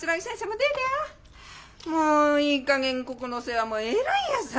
もういいかげんここの世話もえらいんやさ。